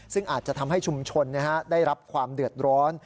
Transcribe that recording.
ซึ่งอาจจะทำให้ชุมชนได้รับความเดือดร้อน